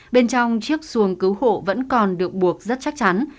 bên trong chiếc xuồng cứu hộ vẫn còn được buộc rất chắc chắn